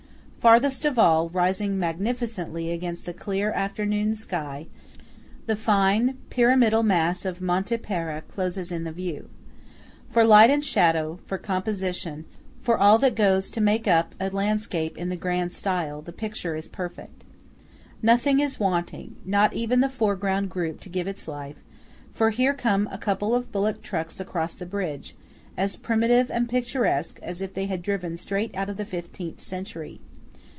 Farthest of all, rising magnificently against the clear afternoon sky, the fine pyramidal mass of Monte Pera closes in the view. For light and shadow, for composition, for all that goes to make up a landscape in the grand style, the picture is perfect. Nothing is wanting–not even the foreground group to give its life; for here come a couple of bullock trucks across the bridge, as primitive and picturesque as if they had driven straight out of the fifteenth century.